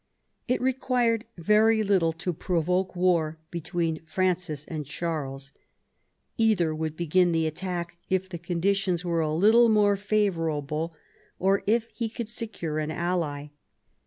It required very little to provoke war between Francis and Charles; either would begin the attack if the conditions were a little more favourable, or if he could secure an ally.